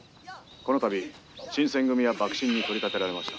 「この度新選組は幕臣に取り立てられました」。